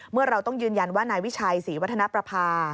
เราต้องยืนยันว่านายวิชัยศรีวัฒนประภา